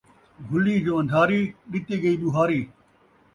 گھلی جو ان٘دھاری ، ݙتی ڳئی ٻوہاری